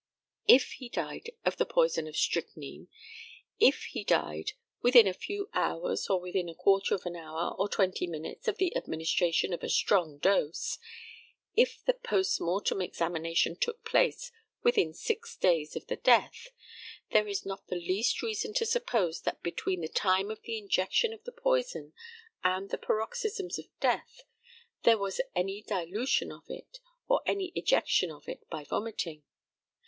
If he died of the poison of strychnine if he died within a few hours, or within a quarter of an hour or twenty minutes of the administration of a strong dose if the post mortem examination took place within six days of the death, there is not the least reason to suppose that between the time of the injection of the poison and the paroxysms of death, there was any dilution of it, or any ejection of it by vomiting.